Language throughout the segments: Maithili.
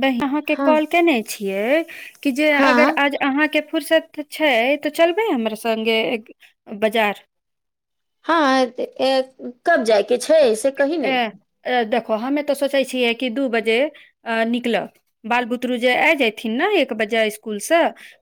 ब अहाँके हँ कॉल केने छियै कि जे अगर हँ आज अहाँके फुरसत छै तऽ चलबै हमरा सङ्गे बजार हँ एत कब जायके छै से कही ए ने ए देखो हमे तऽ सोचै छियै कि दू बजे अ निकलब बाल बुतरू जे आइ जयथिन ने एक बजे स्कुल से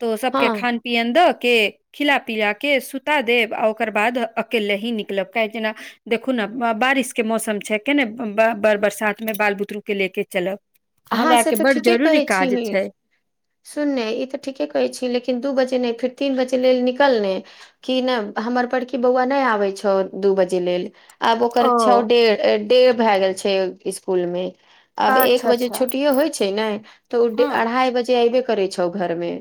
तऽ सभके हँ खान पियन्द के खिला पिला कऽ सुता देब आ ओकर बाद अकेले ही निकलब काह जेना देखू ने बारिशके मौसम छै के ने बरसातमे बाल बुतरूके ले क चलब अहाँ हमरा आर से के तऽ बड जरूरी काज छै सुनने ई तऽ ठीके कहै छीयै लेकिन दू बजे नहि फेर तीन बजे लेल निकल नहि कि नहि हमर बड़की बौआ नहि आबै छौ दू बजे लेल आब ओकर ओ छौ डेर डेढ़ भए गेल छै स्कूल मे आब एक अच्छा बजे अच्छा छुट्टियो होइ छै ने तऽ ओ डे हँ अढ़ाई बजे आऐबे करै छौ घरमे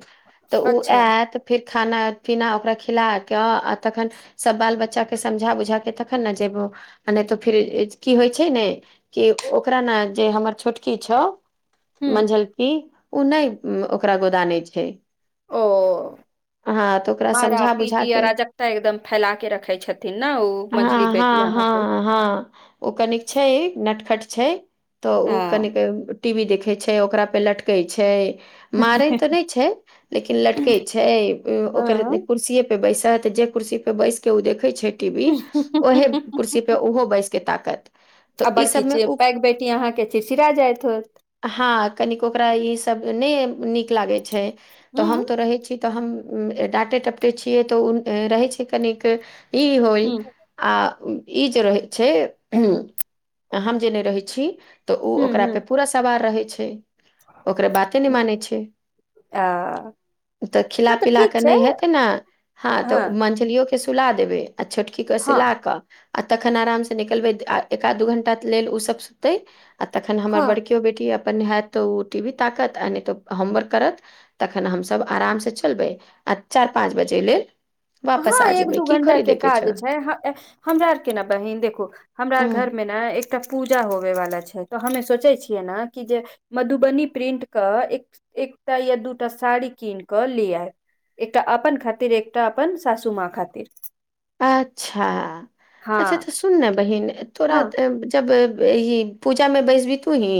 तऽ ओ अच्छा आयत फेर खाना पीना ओकरा खिला कऽ आ तखन सब बाल बच्चाके समझा बुझा के तखन ने जेयबो आ नहि तऽ फेर की होइ छै ने कि ओकरा ने जे हमर छोटकी छौ हूँ मंझल पी ओ नहि ओकरा गोदानै छै ओ आ मारा पीटी आ रजकता एकदम फैला के रखे छथिन नै ओ हँ मंझली बेटि हँ हमर हँ हँ ओ कनिक छै नटखट छै तऽ आ ओ कनिक टी वी देखै छै ओकरा पे लटकै छै मारै तऽ नहि छै लेकिन लटकै छै ओ ओकर हँ कुर्सिये बैसत जे कुर्सी पे बैसके ओ देखे छै टी वी ओहे कुर्सी पे ओहो बैसके ताकत आ तऽ ई बड़की सबमे छियै उ पैघ बेटी अहाँके चिड़चिड़ा जाइत हेत हँ कनिक ओकरा ई सब नहि नीक लागे छै तऽ हूँ हम तो रहै छी तऽ हम डाँटे डपटे छियै तऽ रहै छै कनिके ई होइ हूँ आ ई जे रहै छै हम जे नहि रहै छी तऽ ओ हूँ ओकरा हूँ पे पूरा सवार रहै छै ओकरा बाते नहि मानै छै आ ओ तऽ खिला नहि पिला ठीक कऽ छै नहि हेतै ने हँ तऽ मंझलियो के सुला देबै आ छोटकी के हँ सिला कऽ आ तखन आराम से निकलबै एकाध दू घंटा लेल ओ सब सुततै आ तखन हमर हँ कियो बेटी अपनने हैत टी भी ताकत नै त होमवर्क करत तखन हमसभ आराम से चलबै आ चारि पाँच बजे लेल वापस हँ आ एक जेबै दू की घंटा के खरीदैके काज छौ छै हमरा आर के ने बहिन देखू हमरा आ हँ घर मे ने एकटा पूजा होवे वाला छै तऽ हमे सोचे छियै ने कि जे मधुबनी प्रिंट के एक एकटा या दूटा साड़ी कीन कऽ ले आयब एकटा अपनन खातिर एकटा अपनन सासूमां खातिर अच्छा अच्छा हँ त सुन ने बहिन तोरा हँ जब ई पूजा में बैस भी तू ही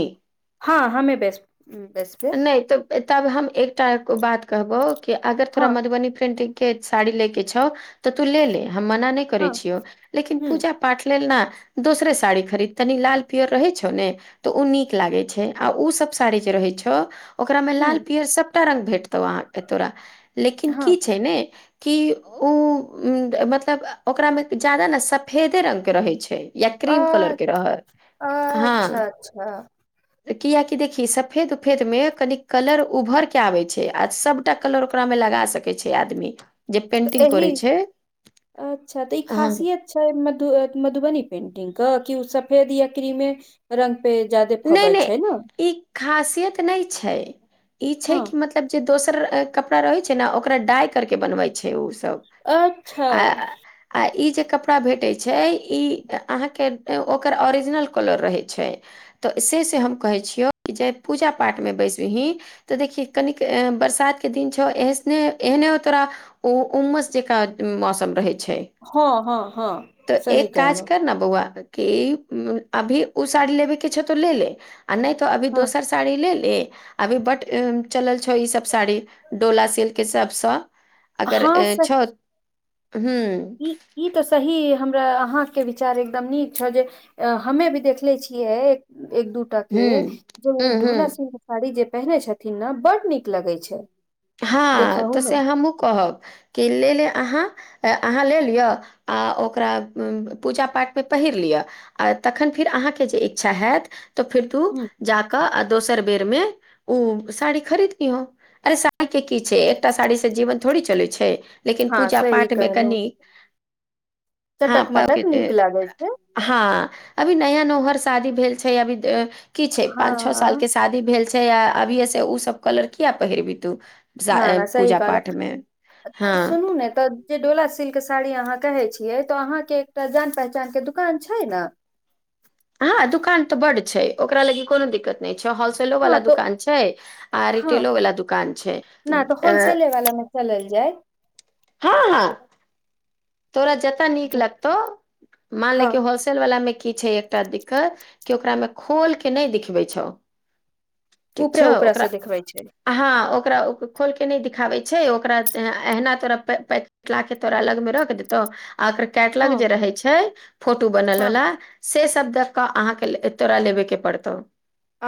हँ हमे बेस बेस नहि तऽ ताबे हम एकटा बात कहबौ कि अगर तोरा हँ मधुबनी पेंटिंग के साड़ी ले के छौ तऽ तू ले ले हम मना नहि करै हँ छियौ लेकिन ह पूजा पाठ लेल न दोसरे साड़ी खरीद तनी लाल पियर रहै छौ ने तऽ ओ नीक लागै छै आ ओसभ साड़ी जे रहै छै ओ ओकरा मे लाल ह पियर सबटा रंग भेटतौ अहां तोरा लेकिन की हँ छै ने कि उ मतलब ओकरामे जादा ने सब फेदे रंग के रहै छै या क्रीम कलर अ के रह अच्छा हँ अच्छा किए कि देखि सफेद सफेद मे कनी कलर उभर के आबे छै आ सबटा कलर ओकरा मे लगा सकै छै आदमी जे तऽ पेंटिंग एहि करै छै अच्छा तऽ ई हँ खासियत छै मधु मधुबनी पेन्टिंग के क ओ सफेद या क्रीमे रंग पे ज्यादे नहि फबै नहि छै ने ई खासियत नहि छै ई छै हँ कि मतलब तब जे दोसर कपड़ा रहै छै ने ओकरा डाय करके बनबै छै ओ सब अच्छा आ आ ई जे कपड़ा भेटैत छै ई अहाँके ओकर ओरिजिनल कलर रहैत छै तऽ से से हम कहै छियौ कि जे पूजा पाठमे बैसबही तऽ देखिय कनिक बरसातके दिन छौ एहने एहने तोरा ऊ उमस जकाँ मौसम रहैत छै हँ हँ हँ तऽ सही एक काज कहलौं कर न बौआ की अभी उ साड़ी लेबे के छाव त ले ले आ नहि तो अभी हँ दोसर सारी साड़ी ले ले अभी बड चलल छौ ईसभ साड़ी डोला सिल्कके सभसँ अगर हँ सखी छै हू ई ई तऽ सही हमरा अहाँके विचार एकदम नीक छौ जे अ हमे भी देखले छियै एक दूटा हूँ के जो हूँ ढोला हूँ सभके साड़ी जे पहिने छथिन ने बड्ड नीक लगै छै देखहु हँ मे से हमूहु कहब कि लेलल अहाँ अहाँ लऽ लिये आ ओकरा पूजा पाठमे पहिर लिय आ तखन फेर अहाँके जे इच्छा हैत तऽ फिर तू ह जाक आ दोसर बेर में ओ साड़ी खरीद दीह हो अरे आके की छै एकटा साड़ी से जीवन थोड़े चलै छै लेकिन हँ पूजा सही पाठमे कहलौं कनि हँ चटक मटक पार्कटे नीक लागै छै हँ अभी नया नोहर शादी भेल छै अभी की छै पाँच छओ साल हँ के शादी भेल छै या अभिये से ओ सब कलर किया पहिरबी तू न जा- अ, न सही पूजा पाठ कहलहुँ मे तऽ हँ सुनू ने तऽ जे डोला सिल्क साड़ी अहाँ कहे छियै तो अहाँके एकटा जान पहचान के दुकान छै ने हँ दुकान तऽ बड छै ओकरा लागी कोनो दिक्कत नहि छै हॉल लो हँ वाला तऽ दुकान छै आ हँ रिटेलो वाला दुकान छै नहि तऽ होलसेले वाला मे चलल जाय हँ तोरा जते नीक जे- लगतौ मान ले हँ कि हॉस्पिटल ल वला मे की छै एकटा दिक्कत क ओकरा मे खोल के नहि दिखबे छौ ठीक ऊपरे छौ ऊपरा ओकरा से देखबै छै ह ओकरा ओ खोल के नहि दिखाबे छै ओकरा एहना तोरा कटलाके तोरा अलगमे रख देतौ आ ओकर हँ कैटलग जे रहै छै फोटो हँ बनलवला से सब देख कऽ अहाँके तोरा लेबेके पड़तौ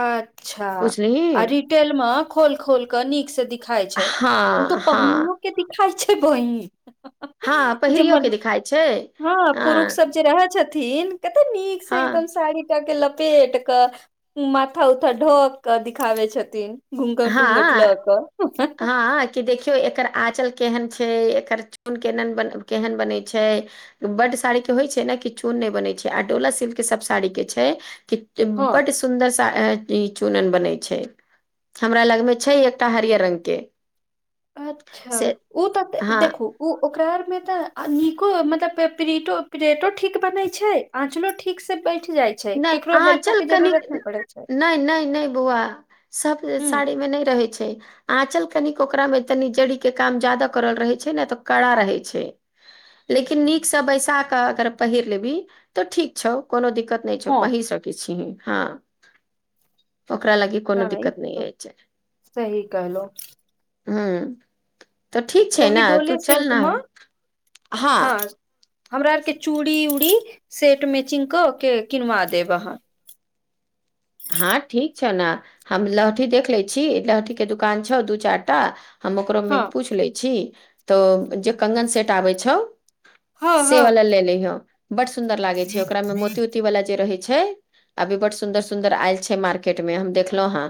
अच्छा बुझलिही आ रिटेल मे खोल खोल के नीक से दिखाई छै हँ हँ कती खाइ छै बहिन हँ जे पहिरियो के दिखाइ छै महाँ पुरुष हँ सब जे रहै छथिन थिन कते नीक से एकदम हँ साड़ी टा कऽ लपेट कऽ माथा उथा ढक दिखाबै छथिन घुघट ूघट हँ लऽ कऽ हँ कि देखियौ एकर आँचल केहन छै एकर चून केहनन केहन बनै छै बड साड़ीक के होइ छै ने कि चून नहि बनैत छै आ डोला सिल्क सब साड़ी कऽ छै कि की हँ बड सुन्दर सा ऐ इ चूनन बनय छै। हमरा लग में छै एकटा हरियर रंग। के अच्छा,,,, से ऊ तऽ त हँ देखू। उ ओकरा आर मे तऽ अनीको मतलब प परीटो परेटो ठीक बनय छै। आँचलो ठीक सऽ बैठ जाइत। नय आँचल कनिक। नय, नय, नय बौआ सभ हूं साड़ी में नय रहय छै। आँचल कनिक ओकरा में तनी जड़ी के काम ज्यादा करल रहय छै, नऽ तऽ कड़ा रहय छै। लेकिन निक से बैसा कऽ अगर पहिर लेभी, तऽ ठीक छौ कोनो दिक्कत नय छौ हँ पहिर सकय छिःही, हाँ। ओकरा लागई कोनो नहि ई दिक्कत तऽ नहियें छै। सही कहलौं हुँ, तऽ ठीक छै तो ही ने तू डोले चल सिल्क नऽ मे हाँ हँ हमरा आर के चूड़ी ऊड़ी सेट मैचिंग क के किनवा देब अहाँ। हाँ ठीक। छौ नऽ, हम लहठी देख लय छी, लहठी कऽ दुकान छो दू चार टा। हम ओकरो में हँ पूछि लय छि तऽ जे कंगन सेट आबय छौ। हँ से वाला हँ ले लअइहां बड सुंन्दर लागय छै। ओकरा में मोती उती वाला जे रहय छै। छै, अभी बड सुन्दर सुन्दर आयल छै मार्केट में हम देखलौं हँ।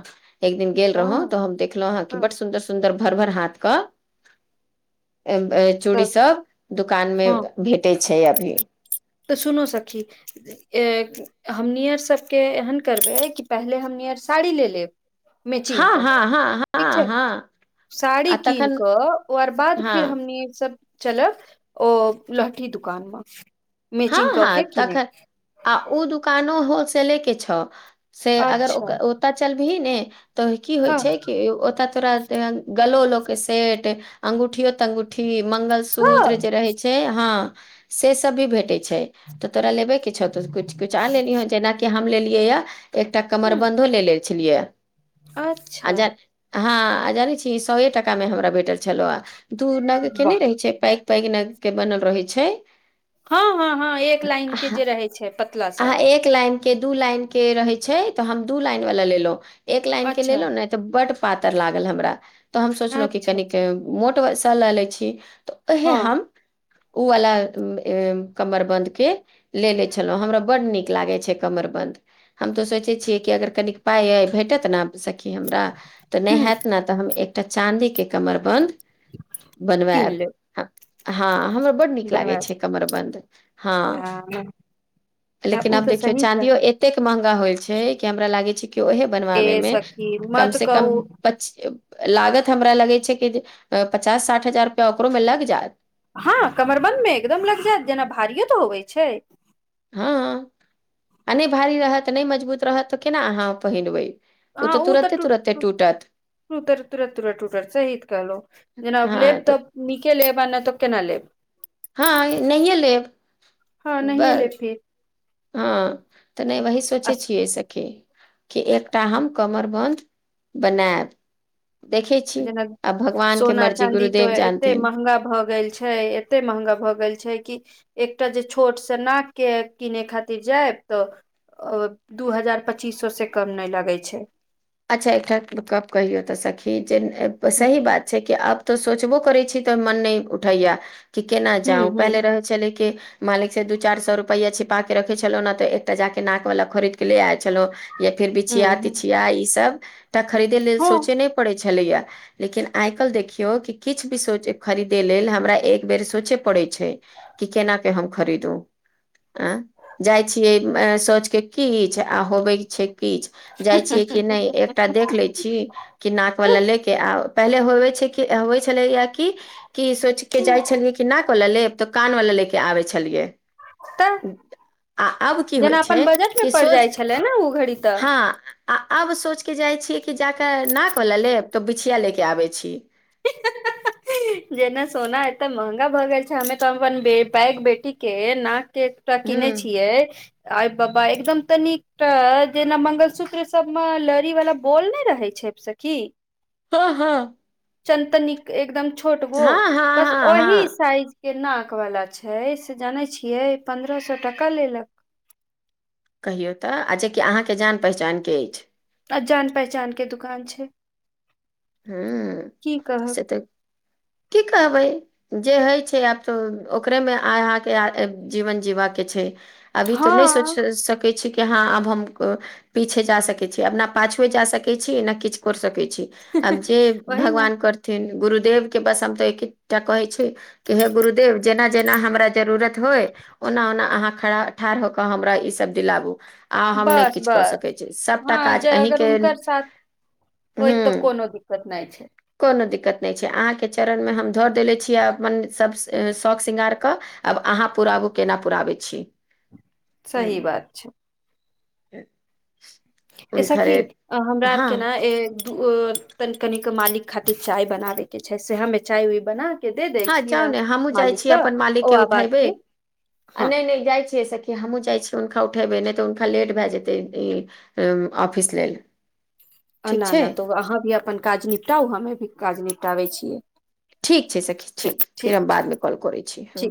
एक दिन गेल रहौं ह तऽ हम देखललौं हँ कि बड सुंदर सुंदर भर भर हाथ कऽ ऐ बै तऽ चूड़ी सब दुकान मऽ हँ भेटय छै अभी। तऽ सुनो सखी। ऐं हमनी अर सभके ऐहेन करबय कि पहिले हमनी अर साड़ी लऽ लेब। मचिंग हँ कऽ हँ हँ ठीक हँ छै। हँ साड़ी आ कीन तखन कऽ ओ अर बाद हँ फिर हमनीय सब। चलब ओ लहठी दुकान मऽ। हाँ, हाँ तखन। आ ओ दुकानो हॉलसेले कऽ छ, से अगर अच्छा ओकर ओतऽ चलबही ने। तो की होय हँ छै कि ओता तोरा गलो उलो कऽ सेट अंगूठियो तंगूठी। की मंगलसूत्र हँ जे रहे छै, हाँ से सब भी। छै तऽ तोरा लेबे कि छा। तु कुछ-कुछ आन लिहा जेनाकि हम लेलियै य। एकटा कमर ह बंधो ले ले छलियै आ अच्छा जा अहाँ जानै छी सोए टाका मे हमरा भेटल छलौ ह दू नग के वाह नहि रहै छै पैक पैग नग के बनल रहै छै। हाँ-हाँ-हाँ एक लाइन के जे रहै छै पतला आ सा। एक लाइन के दू लाइन के रहै छै तऽ हम दू लाइन वाला लेलों एक लाइन के अच्छा लेलों नऽ बड पातर लागल हमरा तऽ हम सोचलौं की अच्छा कनिक अच्छा मोट ओय सऽ ल लय छी। उहे हँ हम उ वला ए कमरबंध के ले ले छलौं, हमरा बड्ड नीक लागय छै कमरबंध। हम तऽ सोचय छियय कि अगर कनी। पाइ आय भेटत नऽ सखी हमरा तऽ नय ह हैत नऽ तऽ हम एकटा चाँदी के कमरबंध कीन बनबायब लेब हँ हाँ हमरा बड नीक लागय बनबायब छै कमरबंध। हाँ, आ लेकिन ओ अब तऽ देखियौ सही कह चाँदियो एक एतेक महंगा होएल छै कि हमरा लागे छै कि ओहे बनवाबे ए मे सखी कम मत से कम कहू पछ लागत हमरा लगै छै कि जे पचास साठ हजार रुपया ओकरोमे लग जायत। हाँ कमरबंध मऽ एकदम लग जायत जेना भारियो तऽ होबय छै। हाँ आ नय भारी रहत नय मजबूत रहत तऽ केना अहाँ अ पहिरबै। अहँ ऊ तऽ टुट पुट [unintelligible] टुटत सही त कहलौं जेना लैब तऽ नीके लेब आ नय तऽ केना लेब हाँ नहिये लेब हँ नहिये बस लेब फिर हँ तऽ नहि वही सोचै अस छियै सखी कि एकटा हम कमर बंध बनेब जेना भगवान के सोना मर्जी चाँदी तऽ गुरुदेव एते जानथिन महँगा भऽ गेल छै एते महंगा भऽ गेल छै कि एकटा जे छोट सऽ नाक के किने खातिर जायब तऽ ओ दू हजार पच्चीस सौ से कम नहि लगै छै अच्छा एकटा गप कहियो तऽ सखी जे ह सही बात छै कि आब तऽ सोचबो करै छी तऽ मन नहि उठैया कि केना जाउ ह पहिले रहै छलै कि मालिक से दू चारि सौ रुपैया छिपााके रखे छलो नऽ तऽ एकटा जाके नाक वाला खरीद के ले आयल छलहु या फेर ह बिछिया ह तिछिया ई सब त खरीदे लेल हँ सोचे नहि पड़ै छलै या लेकिन आइ काल्हि देखियौ कि किछु भी सोचीयो खरीदय लेल हमरा एक बेर सोचय पड़ै छै कि केना के हम खरीदू अ जाइ छियै सोच के किछ आ होबे छै किछ जाइ छियै कि नै एकटा देख लै छी कि नाक वला लय के आ पहिले होवे छै होइ छलय कि, कि सोचके जाइ छलियै कि नाक वला लेब तऽ कान वला लऽ कऽ आबै छलियै तऽ आ आब की होइ जेना छै अपन बजट मे कि पड़ सोच जाइ छलै ने ओ घड़ी तऽ हँ आ आब सोच के जाइ छीयै कि जाकऽ नाक वला लेब तऽ बिछिया लेके आबै छी [inaudible] ही जेना सोना एते महंगा भ गेल छै हमेतऽ हम अपन पेग बेटी के नाक एकटा किनेै ह्म छियय आई बाबा एकदम तनिकटा जेना मंगलसूत्र सब मे लड़ी वाला बोल नऽ रहे छै सखी हँ हँ चनतनिक एकदम छोटबो हँ हँ बस हँ ओहि हँ साइज के नाकवला छै से जानै छियै पन्द्रह सए टका लेलक कहियौ तऽ आ जेकि अहाँके जान पहचानके अछि अ जान पहचान कऽ दुकान छै हू की कहब से तऽ की कहबै जे हइ छै आब तऽ ओकरेमे अहाँके जीवन जीवा के छै अभी तऽ नहि हँ सोचि सकै छी कि हँ आब हम पीछे जा सकैत छी आब ने पाछुएं जा सकै छी न किछ क सकै छी आब जे वही ने भगवान करथिन गुरुदेव के बस हम त एक एकटा कहे छी कि हे गुरुदेव जेना जेना हमरा जरूरत होइ ओना ओना अहाँ खड़ा ठाढ़ भ कऽ हमरा ई सभ दिलाबू आ हम नहि बस किछु कऽ सकै बस छी सबटा हँ काज जे अगर अहींके हुनकर हू पट नहि छै कोनो दिक्कत नहि छै अहाँके चरणमे हम ध देेले छियै अपन सभ शौक श्रृंगारकेऽ आब अहाँ पुराबू केना पुराबै छी सही बात छै ह [inaudible] ऐ सखी हमरा आर के न ए ओ तनि तनिक के मालिक खातिर चाय बनाबैके छै सेएहमे चाय ओइ बना के दे दै हँ जाउ छियै ने हमू जाइ मालिक छी के अपन मालिक ओ के आबाद उठैबे पे आ हँ नय नय जाइ छियै सखी कि हमहूँ जाइ छियै हुनका उठेबै नय तऽ हुनका लेट भाय जेतै [unintelligible] ऑफिस लेल ठीक अना छै ना तऽ अहाँ भी अपन काज निपटाउ हमे भी काज निपटाबै छियै ठीक छै सखी चलू ठीक फेर हम छै बाद मे कॉल करै छी हँ ठीक